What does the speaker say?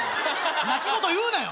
泣き言言うなよ